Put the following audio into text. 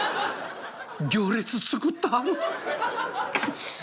行列作ったはる。